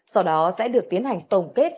sau đó sẽ được tiến hành tổng kết